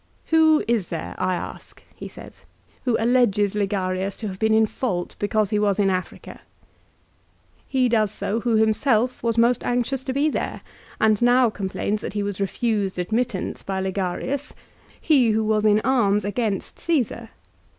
" Who is there, I ask," he says, " who alleges Ligarius to have been in fault because he was in Africa ? He does so, who himself was most anxious to be there, and now complains that he was refused admittance by Ligarius, he who was in arms against Caesar.